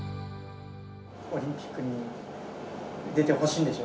パラリンピックに出てほしいんでしょ？